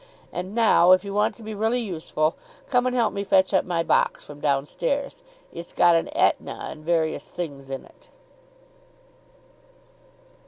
And now, if you want to be really useful, come and help me fetch up my box from downstairs. It's got an Etna and various things in it."